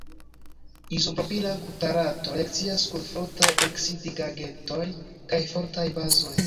Izopropila glutarato reakcias kun fortaj oksidigagentoj kaj fortaj bazoj.